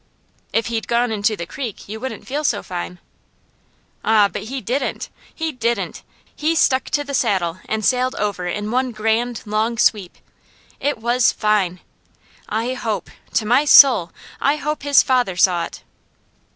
"If he'd gone into the creek, you wouldn't feel so fine." "Ah! but he didn't! He didn't! He stuck to the saddle and sailed over in one grand, long sweep! It was fine! I hope to my soul, I hope his father saw it!"